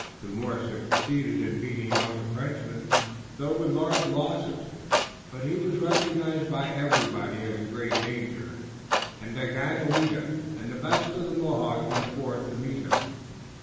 Two more succeeded in beating off the Frenchman, though with large loss, but he was recognized by everybody as a great danger, and Daganoweda and the best of the Mohawks went forth to meet him.